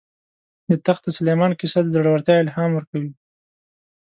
د تخت سلیمان کیسه د زړه ورتیا الهام ورکوي.